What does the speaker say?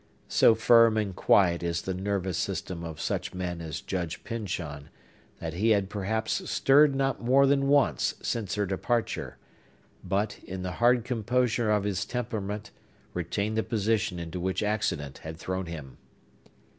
So firm and quiet is the nervous system of such men as Judge Pyncheon, that he had perhaps stirred not more than once since her departure, but, in the hard composure of his temperament, retained the position into which accident had thrown him.